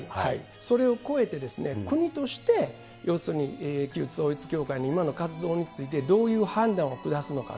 それを超えて、国として要するに、旧統一教会の今の活動について、どういう判断を下すのか。